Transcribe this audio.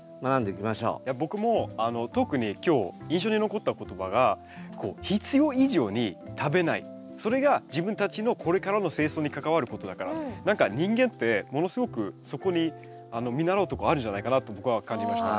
僕も特に今日印象に残った言葉がそれが自分たちのこれからの生存に関わることだから何か人間ってものすごくそこに見習うとこあるんじゃないかなと僕は感じました。